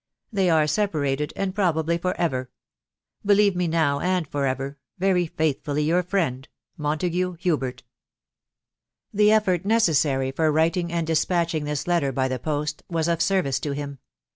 They are separated, and probably for ever. " Believe me, now and forget, * Very faithfu^ ^o^ fstaA, O Q 450 tbm widow babvaby* The effort necessary for writing and despatching thie fetter by the pott was of service to him.